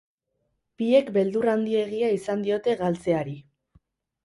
Biek beldur handiegia izan diote galtzeari.